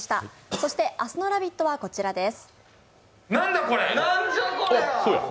そして、明日の「ラヴィット！」はこちらです。